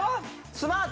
スマート？